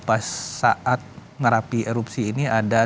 pas saat merapi erupsi ini ada dua puluh